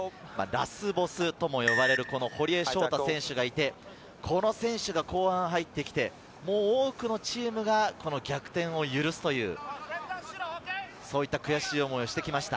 ラスボスとも呼ばれる堀江翔太選手がいて、この選手が後半入ってきて、多くのチームが逆転を許すという、そういった悔しい思いをしてきました。